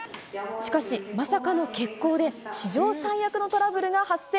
しかしまさかの欠航で史上最悪のトラブルが発生。